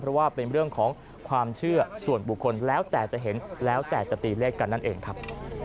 เพราะว่าเป็นเรื่องของความเชื่อส่วนบุคคลแล้วแต่จะเห็นแล้วแต่จะตีเลขกันนั่นเองครับ